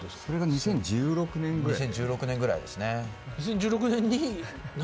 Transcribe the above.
２０１６年ぐらいですね。